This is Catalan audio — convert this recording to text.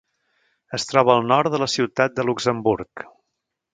Es troba al nord de la ciutat de Luxemburg.